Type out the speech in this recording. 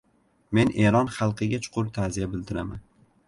Men Eron xalqiga chuqur ta’ziya bildiraman.